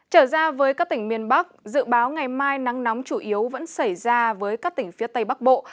trở ra với các tỉnh miền bắc dự báo ngày mai nắng nóng chủ yếu vẫn xảy ra với các tỉnh phía tây bắc bộ